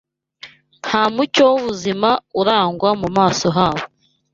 Nta mucyo w’ubuzima urangwa mu maso habo